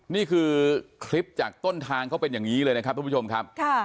นี่คือคลิปจากต้นทางเขาเป็นอย่างนี้เลยนะครับทุกผู้ชมครับ